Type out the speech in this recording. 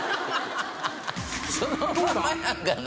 そのままやがな。